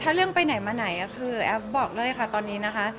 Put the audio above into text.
ถ้าเรื่องไปไหนมาไหนก็คือแอฟบอกเลยค่ะตอนนี้นะคะ